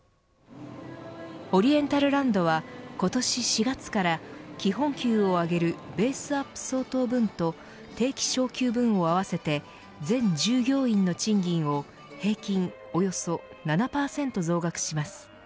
オリエンタルランドは今年４月から基本給を上げるベースアップ相当分と定期昇給分を合わせて全従業員の賃金を平均およそ７％増額します。